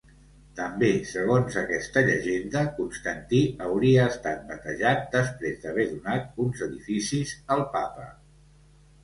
També segons aquesta llegenda, Constantí hauria estat batejat després d'haver donat uns edificis al papa.